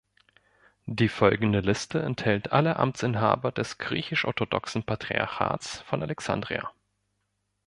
Die folgende Liste enthält alle Amtsinhaber des griechisch-orthodoxen Patriarchats von Alexandria.